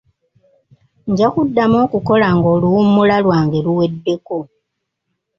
Nja kuddamu okukola ng'oluwummula lwange luweddeko.